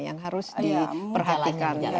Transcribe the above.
yang harus diperhatikan